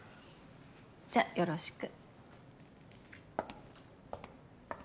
じゃあよろしく。